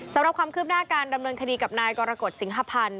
สำหรับความคืบหน้าการดำเนินคดีกับนายกรกฎสิงหพันธ์